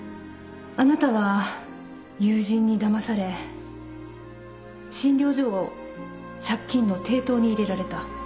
あなたは友人にだまされ診療所を借金の抵当に入れられた。